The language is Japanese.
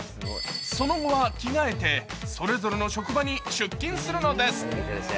その後は、着替えてそれぞれの職場に出勤するのです。